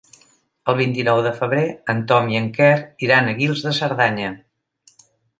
El vint-i-nou de febrer en Tom i en Quer iran a Guils de Cerdanya.